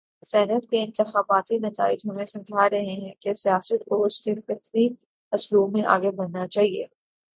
Senate کے انتخاباتی نتائج ہمیں سمجھا رہے ہیں کہ سیاست کو اس کے فطری اسلوب میں آگے بڑھنا چاہیے۔